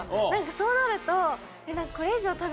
そうなると。